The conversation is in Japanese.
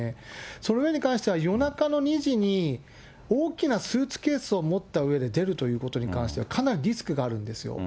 それに関しては夜中の２時に大きなスーツケースを持ったうえで出るということに関しては、かなりリスクがあるんですよ。